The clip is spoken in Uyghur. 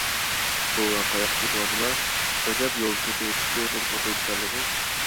بوۋا، قاياققا كېتىۋاتىدىلا؟ ئەجەب يولدا كېتىۋېتىپمۇ دۇرۇت ئوقۇيدىكەنلىغۇ؟